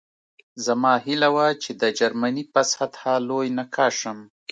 زما هیله وه چې د جرمني په سطحه لوی نقاش شم